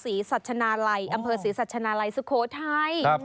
สีศาจราลัยอำเภอสีศาจราลัยสุโขทัย